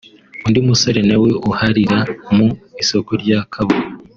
undi musore nawe uhahira mu isoko rya Kabuga